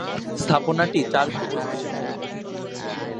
স্থাপনাটি চার গম্বুজ বিশিষ্ট।